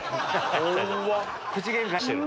口ゲンカしてる。